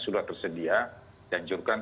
sudah tersedia dancurkan